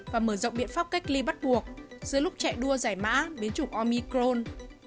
và bị bắt buộc dưới lúc chạy đua giải mã biến chủng omicron